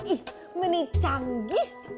ih menik canggih